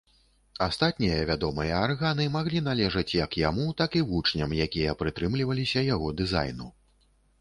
Астатнія вядомыя арганы маглі належаць як яму, так і вучням, якія прытрымліваліся яго дызайну.